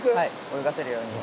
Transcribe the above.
泳がせるように。